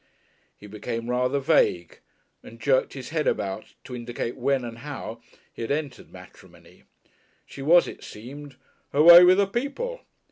He became rather vague and jerked his head about to indicate when and how he had entered matrimony. She was, it seemed, "away with her people."